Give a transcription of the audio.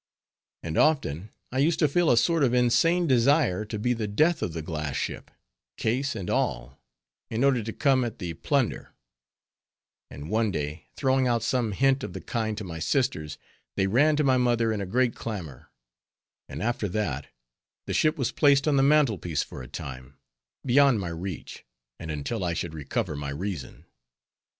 And often I used to feel a sort of insane desire to be the death of the glass ship, case, and all, in order to come at the plunder; and one day, throwing out some hint of the kind to my sisters, they ran to my mother in a great clamor; and after that, the ship was placed on the mantel piece for a time, beyond my reach, and until I should recover my reason.